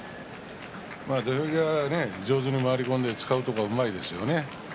土俵際、上手に回り込んで使うところはうまいですね。